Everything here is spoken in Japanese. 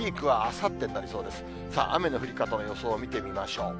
さあ、雨の降り方の予想を見てみましょう。